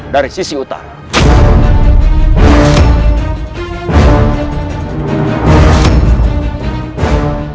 dari sisi utara